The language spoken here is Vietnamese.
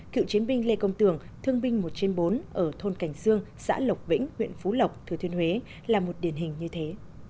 cựu chiến binh lê công tường thương binh một trên bốn ở thôn cảnh dương xã lộc vĩnh huyện phú lộc thừa thuyên huế là một điển hình như thế